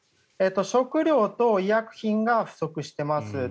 食料と医薬品が不足しています。